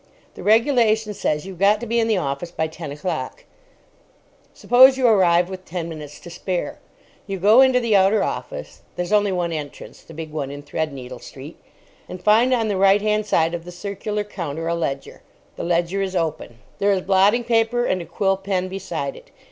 The regulation says you've got to be in the office by ten o'clock. Suppose you arrive with ten minutes to spare. You go into the outer office (there's only one entrance—the big one in Threadneedle Street) and find on the right hand side of the circular counter a ledger. The ledger is open: there is blotting paper and a quill pen beside it.